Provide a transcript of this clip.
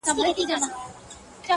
o غم ډک کور ته ورلوېږي٫